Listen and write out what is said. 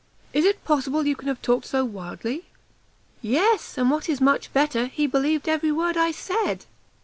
"Is it possible you can have talked so wildly?" "Yes, and what is much better, he believed every word I said!"